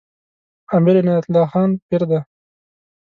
امیر عنایت الله خان پیر دی.